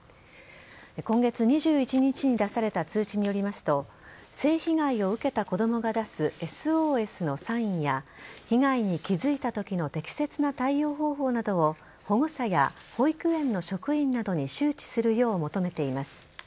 今月２１日に出された通知によりますと性被害を受けた子供が出すＳＯＳのサインや被害に気付いたときの適切な対応方法などを保護者や保育園の職員などに周知するよう求めています。